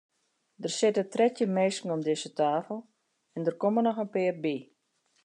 Der sitte trettjin minsken om dizze tafel en der komme noch in pear by.